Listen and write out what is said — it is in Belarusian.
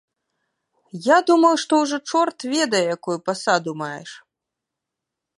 Я думаў, што ўжо чорт ведае якую пасаду маеш!